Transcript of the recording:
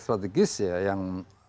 strategis ya yang